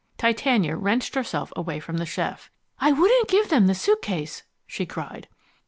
Titania wrenched herself away from the chef. "I wouldn't give them the suitcase!" she cried.